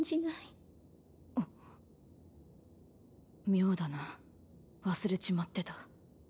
妙だな忘れちまってた。